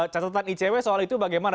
catatan icw soal itu bagaimana